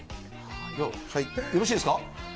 よろしいですか？